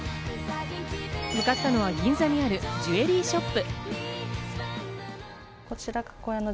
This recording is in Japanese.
向かったのは銀座にあるジュエリーショップ。